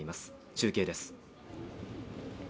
中継です。